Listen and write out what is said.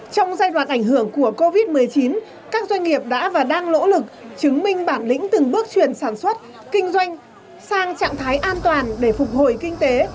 trong giai đoạn ảnh hưởng của covid một mươi chín các doanh nghiệp đã và đang nỗ lực chứng minh bản lĩnh từng bước chuyển sản xuất kinh doanh sang trạng thái an toàn để phục hồi kinh tế